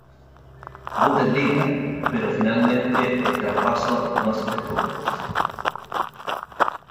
Bundesliga, pero finalmente el traspaso no se efectuó.